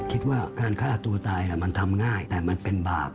คิดว่าการฆ่าตัวตายมันทำง่ายแต่มันเป็นบาป